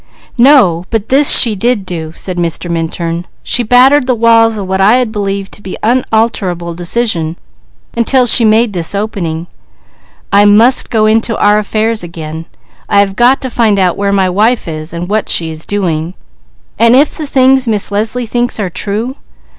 "No. But this she did do," said Mr. Minturn. "She battered the walls of what I had believed to be unalterable decision, until she made this opening: I must go into our affairs again. I have got to find out where my wife is, and what she is doing; and if the things Miss Leslie thinks are true.